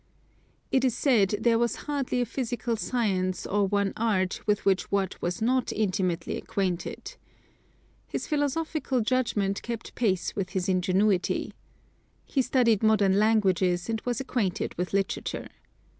It is said there was hardly a physical science or one art with which Watt was not intimately acquainted. His philosophical judgment kept pace with his ingenuity. He studied modern languages, and was acquainted with literature.